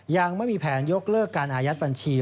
ยังไม่มีแผนยกเลิกการอายัดบัญชี